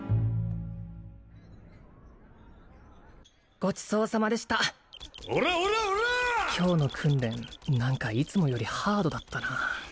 ごちそうさまでした今日の訓練何かいつもよりハードだったな